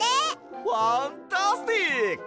ファンタスティック！